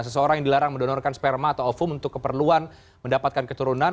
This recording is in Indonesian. seseorang yang dilarang mendonorkan sperma atau ofum untuk keperluan mendapatkan keturunan